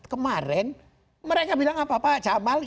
kemarin mereka bilang apa pak jamal